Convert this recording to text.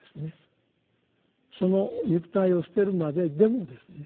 その肉体を捨てるまででもですね